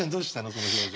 その表情。